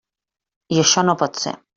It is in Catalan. I això no pot ser.